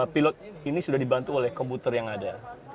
pilot ini sudah dibantu oleh komputer yang ada